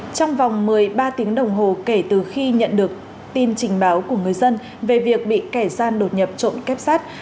trong vòng một mươi ba tiếng đồng hồ kể từ khi nhận được tin trình báo của người dân về việc bị kẻ gian đột nhập trộm kép sát